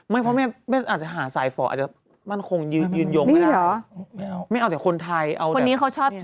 ไม่เพราะแม่อาจจะหาสายฝ่ออาจจะมั่นคงยืนยงไม่ได้